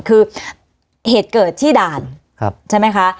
ช่วงเหตุเกิดที่ด่านใช่มั้ยคะ